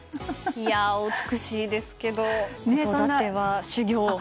いや、お美しいですけど子育ては修行。